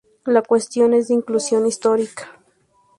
La cuestión es de inclusión histórica.